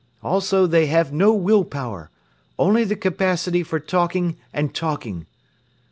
Also they have no will power, only the capacity for talking and talking.